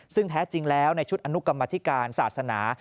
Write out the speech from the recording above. ซึ่งแท้จริงแล้วในชุดอนุกรรมธิการศาสนา